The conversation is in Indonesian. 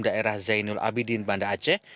daerah zainul abidin banda aceh